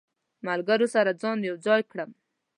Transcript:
ملګرو سره ځان یو ځای کړم.